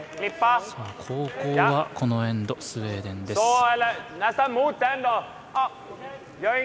後攻はこのエンドスウェーデンです。